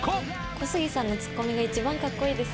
小杉さんのツッコミが一番かっこいいです。